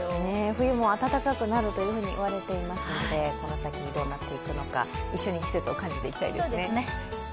冬も暖かくなると言われていますので、この先、どうなっていくのか一緒に季節を感じていきたいですね。